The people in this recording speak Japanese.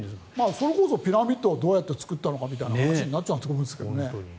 それこそピラミッドをどうやって作ったのかみたいな話になっちゃうんですけどね。